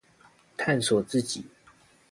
探索自己